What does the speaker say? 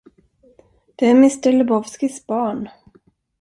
Det är mr Lebowskis barn...